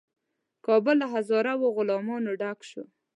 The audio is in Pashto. کابل له هزاره غلامانو ډک شو.